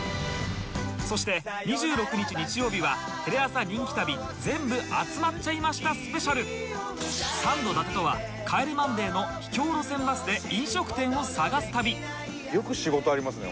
そして２６日日曜日はテレ朝人気旅全部集まっちゃいましたスペシャルサンド伊達とは『帰れマンデー』の秘境路線バスで飲食店を探す旅